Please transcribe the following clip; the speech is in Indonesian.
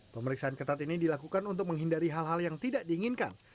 pemeriksaan ketat ini dilakukan untuk menghindari hal hal yang tidak diinginkan